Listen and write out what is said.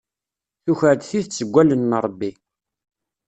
Tuker-d tidet seg wallen n Ṛebbi.